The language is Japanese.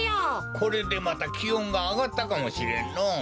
これでまたきおんがあがったかもしれんのう。